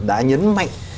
đã nhấn mạnh